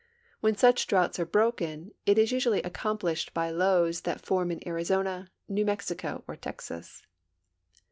When such droughts are broken, it is usually accomiilished by lows tbat form in Arizona, New Mexico, or Texas.